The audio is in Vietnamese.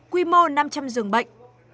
quy mô năm trăm linh giường bệnh